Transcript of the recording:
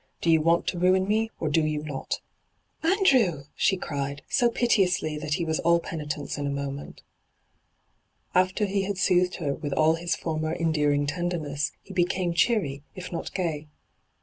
Do you want to ruin me, or do you not V ' Andrew !' she cried, so piteously that he was all peuitence in a moment After he had soothed her with all his former endearing tenderness, he became cheery, if not gay.